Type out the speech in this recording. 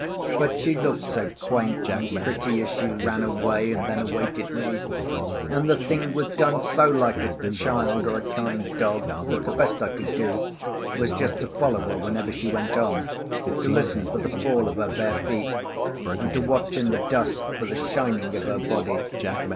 But she looked so quaint and pretty as she ran away and then awaited me, and the thing was done so like a child or a kind dog, that the best I could do was just to follow her whenever she went on, to listen for the fall of her bare feet, and to watch in the dusk for the shining of her body.